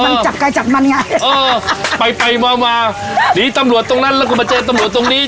มันจับไกลจับมันไงเออไปไปมามาหนีตำรวจตรงนั้นแล้วก็มาเจอตำรวจตรงนี้